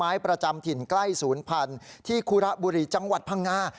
ไม้ประจำถิ่นใกล้ศูนย์พันธุ์ที่คุระบุรีจังหวัดพังงา